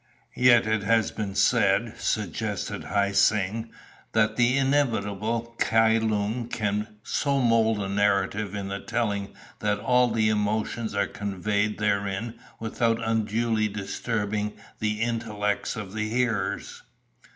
"Yet it has been said," suggested Hi Seng, "that the inimitable Kai Lung can so mould a narrative in the telling that all the emotions are conveyed therein without unduly disturbing the intellects of the hearers."